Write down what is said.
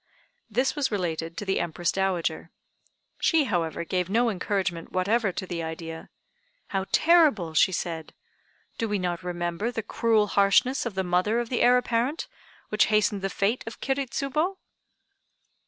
This was related to the Empress Dowager. She, however, gave no encouragement whatever to the idea, "How terrible!" she said. "Do we not remember the cruel harshness of the mother of the Heir apparent, which hastened the fate of Kiri Tsubo!"